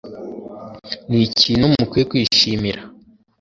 ni ikintu mukwiye kwishimira